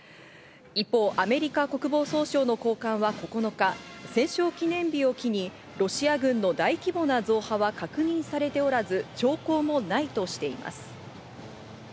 一方、アメリカ国防総省の高官は９日、戦勝記念日を機にロシア軍の大規模な増派は確認されておらず、兆候もないとしています。